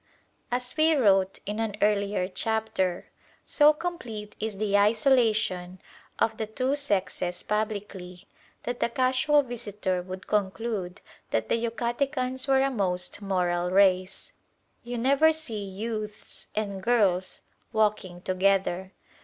] As we wrote in an earlier chapter, so complete is the isolation of the two sexes publicly, that the casual visitor would conclude that the Yucatecans were a most moral race. You never see youths and girls walking together.